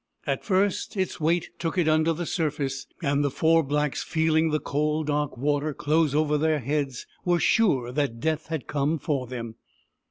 At first, its weight took it under the surface, and the four blacks, feeling the cold dark water close over their heads, made sure that Death had come for them.